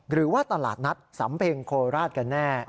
หรือว่าตลาดนัดสำเพ็งโคราชกันแน่